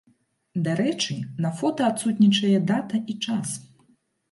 Дарэчы, на фота адсутнічае дата і час.